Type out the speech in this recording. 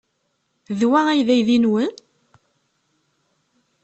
D wa ay d aydi-nwen?